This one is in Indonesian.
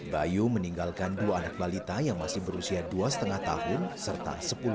bayu meninggalkan dua anak balita yang masih berusia dua lima tahun serta sepuluh tahun